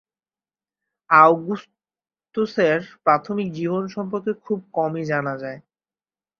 আউগুস্তুসের প্রাথমিক জীবন সম্পর্কে খুব কমই জানা যায়।